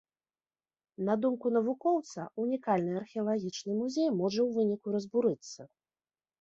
На думку навукоўца, унікальны археалагічны музей можа ў выніку разбурыцца.